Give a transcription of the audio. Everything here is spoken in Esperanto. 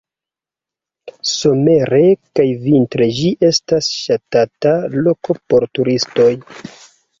Somere kaj vintre ĝi estas ŝatata loko por turistoj.